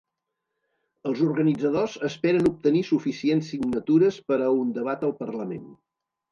Els organitzadors esperen obtenir suficients signatures per a un debat al parlament.